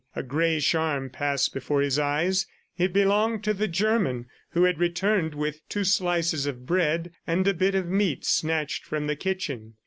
A grayish arm passed before his eyes; it belonged to the German, who had returned with two slices of bread and a bit of meat snatched from the kitchen.